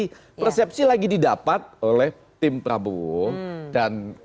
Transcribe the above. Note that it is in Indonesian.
jadi persepsi lagi didapat oleh tim prabowo dan delapan